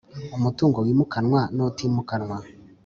Umutungo wimukanwa n utimukanwa